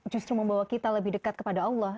justru membawa kita lebih dekat kepada allah